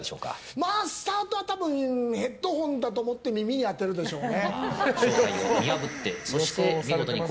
まあ、スタートは多分ヘッドホンだと思って耳に当てるでしょうね。